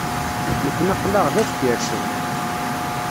Nekkni aql-aɣ da deffir-sen.